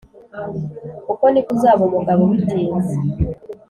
Uko niko uzaba umugabo bitinze.